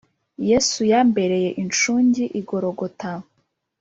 Yesu yambereye incungi I gologota